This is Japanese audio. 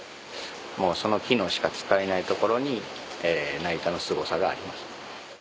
その機能しか使えないところに成田のすごさがあります。